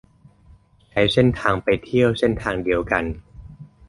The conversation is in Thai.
ใช้เส้นทางไปเที่ยวเส้นทางเดียวกัน